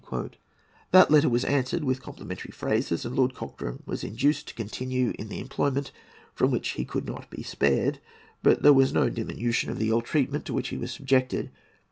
"[A] [Footnote A: See Appendix (III).] That letter was answered with complimentary phrases, and Lord Cochrane was induced to continue in the employment from which he could not be spared; but there was no diminution of the ill treatment to which he was subjected.